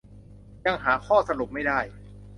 ยังหาข้อสรุปไม่ได้